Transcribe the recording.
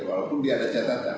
walaupun biar ada catatan